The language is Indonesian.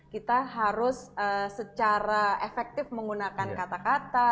kita harus secara efektif menggunakan kata kata